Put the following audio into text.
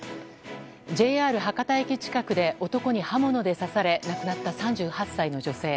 ＪＲ博多駅近くで男に刃物で刺され亡くなった３８歳の女性。